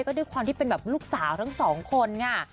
ก็ด้วยความที่เป็นแบบลูกสาวทั้งสองคนค่ะ